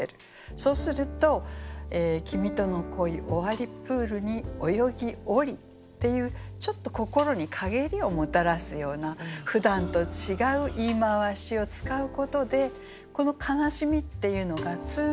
そうすると「きみとの恋終わりプールに泳ぎおり」っていうちょっと心に陰りをもたらすようなふだんと違う言い回しを使うことでこの悲しみっていうのがつーんと心に残る。